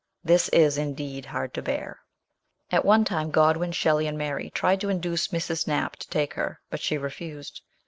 This is, indeed, hard to bear." At one time Godwin, Shelley, and Mary tried to induce Mrs. Knapp to take her, but she refused.